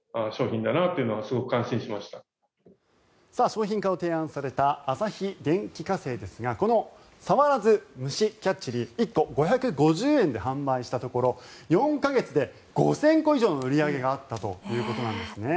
商品化を提案された旭電機化成ですがこの「触らずむしキャッチリー」１個５５０円で販売したところ４か月で５０００個以上の売り上げがあったということです。